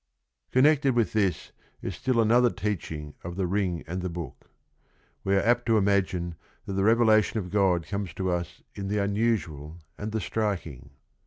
Connected with this is still another teaching of The Ring and the Book. We are apt to im agine that the revelation of God comes to us in the unusual and the striking.